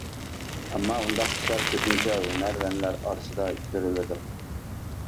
ئەمما، ئۇنداق ئىشلار كۆپىنچە ھۈنەرۋەنلەر ئارىسىدا كۆرۈلىدۇ.